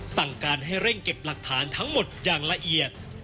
สั่งการให้เร่งเก็บหลักฐานทั้งหมดอย่างละเอียด